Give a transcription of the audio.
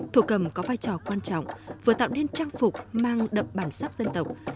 thổ cầm có vai trò quan trọng vừa tạo nên trang phục mang đậm bản sắc dân tộc